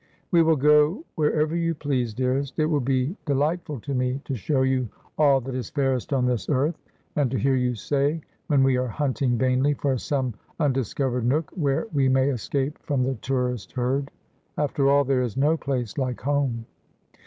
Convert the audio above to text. ' We will go wherever you please, dearest. It will be de lightful to me to show you all that is fairest on this earth, and to hear you say, when we are hunting vainly for some undis covered nook, where we may escape from the tourist herd —" After all, there is no place like home."